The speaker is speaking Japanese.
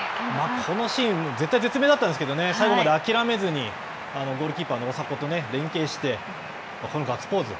このシーン絶体絶命だったんですけど、最後まで諦めずにゴールキーパーの大迫と連係して、ガッツポーズ。